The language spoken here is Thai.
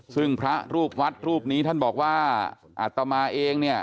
ซึ่งพระรูปวัดรูปนี้ท่านบอกว่าอัตมาเองเนี่ย